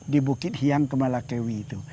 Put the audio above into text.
di bukit hiang kemalakewi itu